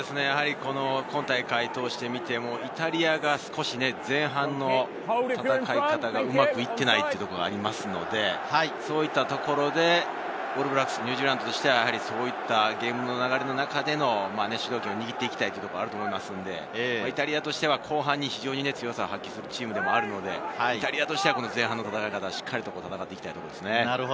今大会を通して見ても、イタリアが少し前半の戦い方がうまくいっていないというところがありますので、オールブラックス・ニュージーランドとしては、ゲームの流れの中での主導権を握っていきたいということがあると思いますので、イタリアとしては後半、強さを発揮するチームでもあるので、前半の戦い方、しっかり戦っていきたいと思います。